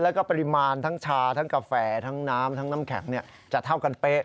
แล้วก็ปริมาณทั้งชาทั้งกาแฟทั้งน้ำทั้งน้ำแข็งจะเท่ากันเป๊ะ